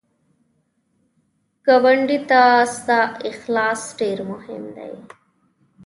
ګاونډي ته ستا اخلاص ډېر مهم دی